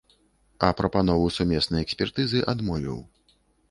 А прапанову сумеснай экспертызы адмовіў.